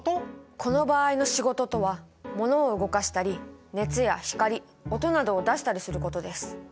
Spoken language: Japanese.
この場合の仕事とは物を動かしたり熱や光音などを出したりすることです。